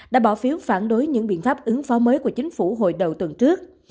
đã bỏ phiếu phản đối những biện pháp ứng phó mới của chính phủ hồi đầu tuần trước